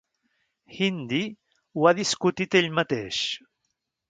Hindy ho ha discutit ell mateix.